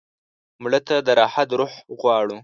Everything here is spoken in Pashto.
مړه ته د راحت روح غواړو